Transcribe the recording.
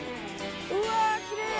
うわぁきれい！